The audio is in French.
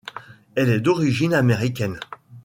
Elle est d'origine américaine.